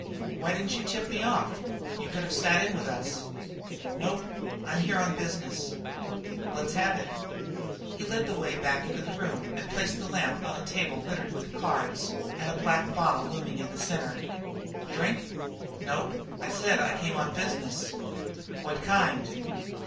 Why didn't you tip me off? You could have sat in with us." "Nope; I'm here on business." "Let's have it." He led the way into a back room and placed the lamp on a table littered with cards and a black bottle looming in the centre. "Drink?" "Nope. I said I came on business." "What kind?"